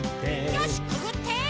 よしくぐって！